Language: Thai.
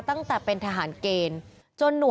พุ่งเข้ามาแล้วกับแม่แค่สองคน